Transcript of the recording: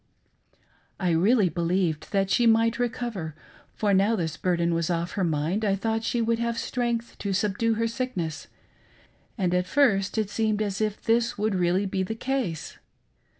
I really believed that she might recover ; for now this bur den was off her mind, I thought she would have strength to subdue her sickness, and at first it seemed as if this would really be the case.